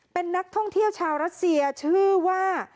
เป็นนักท่องเที่ยวชาวรัสเซียชื่อว่า